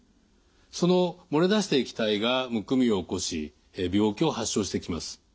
その漏れ出した液体がむくみを起こし病気を発症してきます。